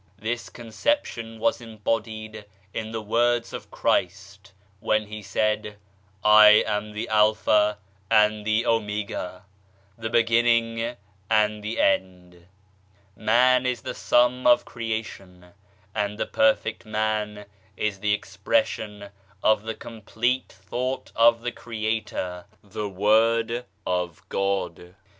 This conception was embodied in the words of Christ, when He said, " I am the Alpha and the Omega, the beginning and the end/ 1 Man is the sum of Creation, and the Perfect Man is the expression of the complete thought of the Creator the Word of God.